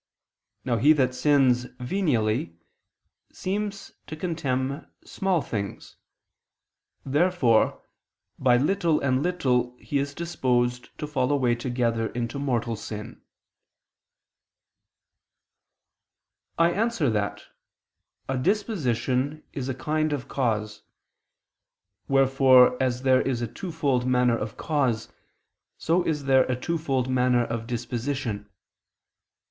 Now he that sins venially seems to contemn small things. Therefore by little and little he is disposed to fall away together into mortal sin. I answer that, A disposition is a kind of cause; wherefore as there is a twofold manner of cause, so is there a twofold manner of disposition.